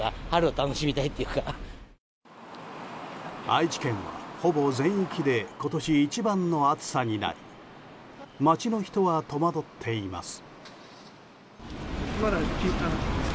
愛知県は、ほぼ全域で今年一番の暑さになり街の人は戸惑っています。